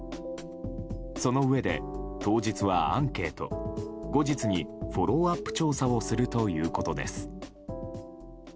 そのうえで、当日はアンケート後日にフォローアップ調査をするということです。